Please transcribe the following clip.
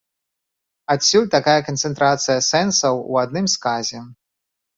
Адсюль такая канцэнтрацыя сэнсаў у адным сказе.